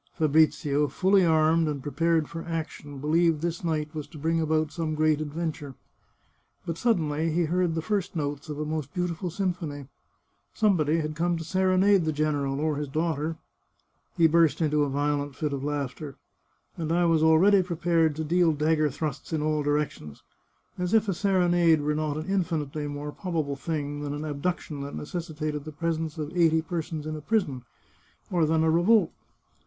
Fabrizio, fully armed and prepared for action, believed this night was to bring about some great adventure. But suddenly he heard the first notes of a most beautiful symphony. Somebody had come to serenade the general or his daughter. He burst into a violent fit of laughter. " And I was al ready prepared to deal dagger thrusts in all directions. As if a serenade were not an infinitely more probable thing than an abduction that necessitated the presence of eighty persons in a prison, or than a revolt